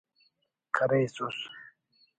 کریسس